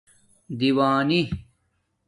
دِیوانی